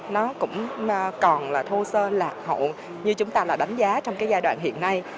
nó cũng còn là thô sơ lạc hậu như chúng ta đã đánh giá trong giai đoạn hiện nay